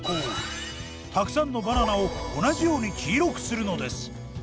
たくさんのバナナを同じように黄色くするのです。